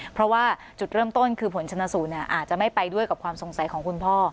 เพราะว่าจุดเริ่มต้นคือผลชนสูตรอาจจะไม่ไปด้วยกับความสงสัยของคุณพ่อ